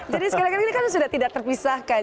jadi sekarang ini kan sudah tidak terpisahkan